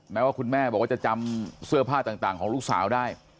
แม้ว่าคุณแม่บอกว่าจะจำเสื้อผ้าต่างของลูกสาวได้